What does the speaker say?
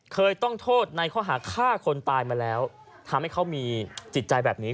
เคยต้องโทษในข้อหาฆ่าคนตายมาแล้วทำให้เขามีจิตใจแบบนี้